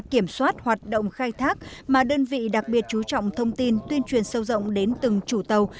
kiểm soát hoạt động khai thác mà đơn vị đặc biệt chú trọng thông tin tuyên truyền sâu rộng đến từng chủ tàu